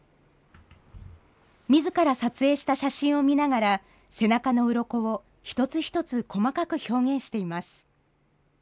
みずから撮影した写真を見ながら、背中のうろこを一つ一つ細かく表現しています。